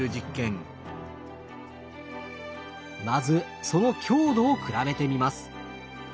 まずその強度を比べてみます。